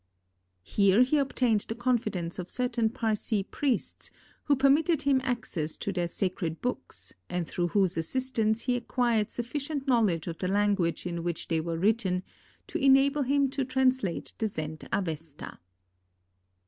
Here he obtained the confidence of certain Parsee priests, who permitted him access to their sacred books, and through whose assistance he acquired sufficient knowledge of the language in which they were written, to enable him to translate the Zend Avesta.